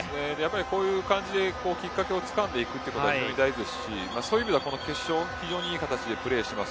こういう感じできっかけをつかんでいくというところは非常に大事ですしその意味では決勝、非常にいい形でプレーしています。